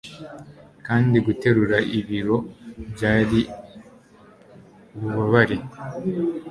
kandi guterura ibiro byari ububabare